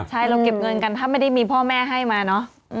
ใช่เราเก็บเงินกันถ้าไม่ได้มีพ่อแม่ให้มาเนอะ